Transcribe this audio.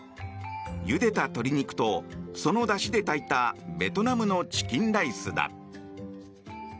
ゆでた鶏肉と、そのだしで炊いたベトナムのチキンライスだ。